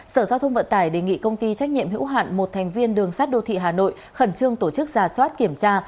sở giao thông vận tải đề nghị công ty trách nhiệm hữu hạn một thành viên đường sát đô thị hà nội khẩn trương tổ chức ra soát kiểm tra